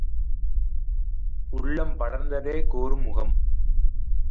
உள்ளம் படர்ந்ததே கூறும் முகம்.